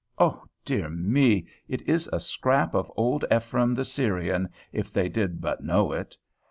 O dear me! it is a scrap of old Ephrem the Syrian, if they did but know it!